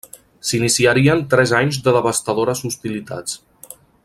S'iniciarien tres anys de devastadores hostilitats.